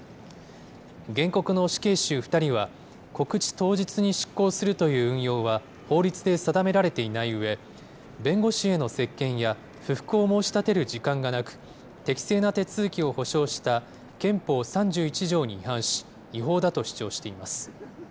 原告の死刑囚２人は、告知当日に執行するという運用は、法律で定められていないうえ、弁護士への接見や不服を申し立てる時間がなく、適正な手続きを保障した憲法３１条に違反し、違法だと主張しています。